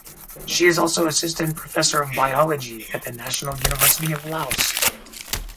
She is also Assistant Professor of Biology at the National University of Laos.